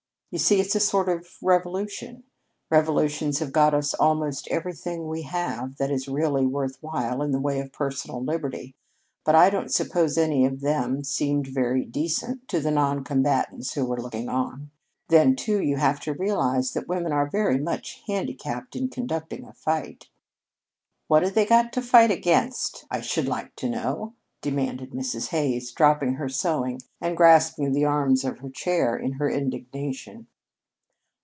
You see, it's a sort of revolution. Revolutions have got us almost everything we have that is really worth while in the way of personal liberty; but I don't suppose any of them seemed very 'decent' to the non combatants who were looking on. Then, too, you have to realize that women are very much handicapped in conducting a fight." "What have they got to fight against, I should like to know?" demanded Mrs. Hays, dropping her sewing and grasping the arms of her chair in her indignation.